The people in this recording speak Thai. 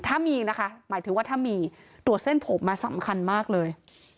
ถ้ามีนะคะหมายถึงว่าถ้ามีตรวจเส้นผมมาสำคัญมากเลย